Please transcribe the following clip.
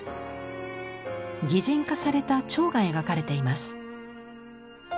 擬人化された蝶が描かれています。